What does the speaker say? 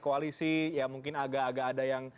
koalisi ya mungkin agak agak ada yang